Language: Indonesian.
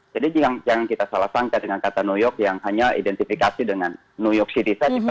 jadi jangan kita salah sangka dengan kata new york yang hanya identifikasi dengan new york city saja